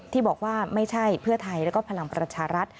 ที่บอกว่าไม่ใช่เพื่อไทยแล้วก็พลังประชารัฐ